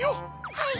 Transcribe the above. はい！